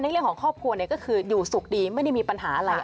เรื่องของครอบครัวก็คืออยู่สุขดีไม่ได้มีปัญหาอะไร